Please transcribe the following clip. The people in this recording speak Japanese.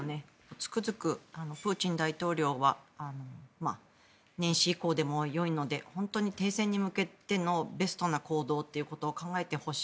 つくづくプーチン大統領は年始以降でもよいので本当に停戦に向けてのベストな行動というのを考えてほしい。